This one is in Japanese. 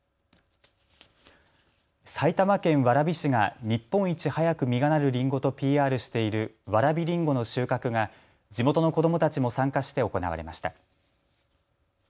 埼玉県蕨市が日本一早く実がなるりんごとＰＲしているわらびりんごの収穫が地元の子どもたちも参加して行われました。